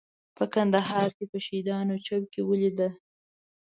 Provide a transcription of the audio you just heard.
په کندهار کې په شهیدانو چوک کې ولیده.